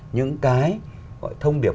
những cái gọi thông điệp